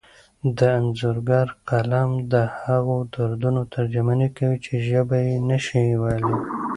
د انځورګر قلم د هغو دردونو ترجماني کوي چې ژبه یې نشي ویلی.